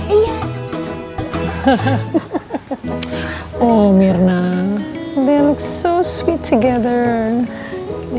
oh mirna mereka terlihat sangat manis bersama